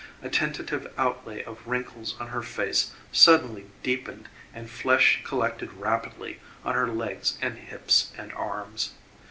A tentative outlay of wrinkles on her face suddenly deepened and flesh collected rapidly on her legs and hips and arms.